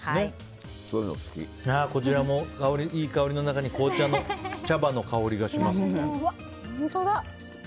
こちらもいい香りの中に紅茶の茶葉の香りがしますね。